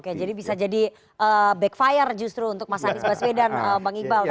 oke jadi bisa jadi backfire justru untuk mas anies baswedan bang iqbal